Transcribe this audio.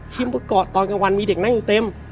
เมื่อก่อนตอนกลางวันมีเด็กนั่งอยู่เต็ม